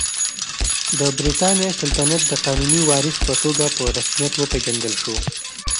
د برېټانیا سلطنت د قانوني وارث په توګه په رسمیت وپېژندل شو.